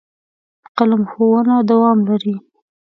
په قلم ښوونه دوام لري.